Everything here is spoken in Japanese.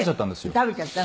食べちゃった？